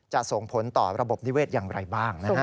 ส่งผลต่อระบบนิเวศอย่างไรบ้างนะฮะ